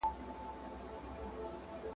خو دا یو هم زموږ د عمر سرمنزل نه سي ټاکلای ..